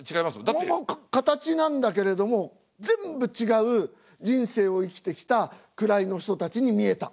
まあまあ形なんだけれども全部違う人生を生きてきた位の人たちに見えた。